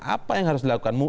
apa yang harus dilakukan